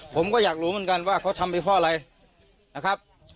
ผมก็อยากรู้เหมือนกันว่าเขาทำไปเพราะอะไรนะครับ